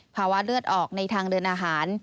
ภาวะเลือดออกในทางเดินอาหาร